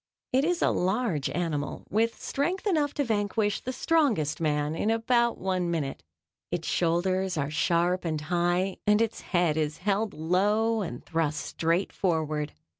It is a large animal with strength enough to vanquish the strongest man in about one minute. Its shoulders are sharp and high, and its head is held low and thrust straight forward.